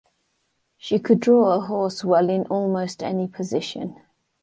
She could draw a horse well in almost any position.